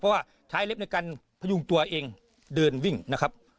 เพราะว่าใช้เล็บในการพยุงตัวเองเดินวิ่งนะครับ